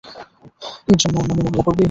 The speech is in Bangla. এর জন্য ওর নামে মামলা করবি?